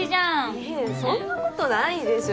いやそんなことないでしょ。